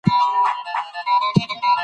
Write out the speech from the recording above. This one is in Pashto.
مادي او معنوي پرمختګ بايد موازي پرمخ لاړ سي.